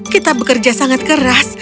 kita bekerja sangat keras